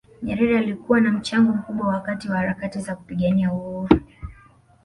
nyerere alikuwa na mchango mkubwa wakati wa harakati za kupigania uhuru